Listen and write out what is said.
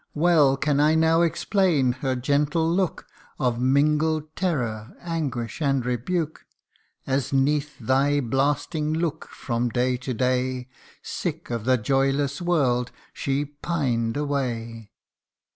Well can I now explain her gentle look Of mingled terror, anguish, and rebuke, As 'neath thy blasting look, from day to day, Sick of the joyless world, she pined away.